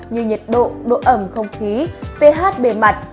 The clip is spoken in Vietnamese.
như nhiệt độ độ ẩm không khí ph bề mặt